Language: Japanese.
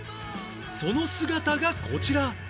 その姿がこちら